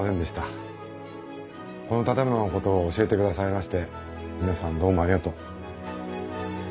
この建物のことを教えてくださいまして皆さんどうもありがとう。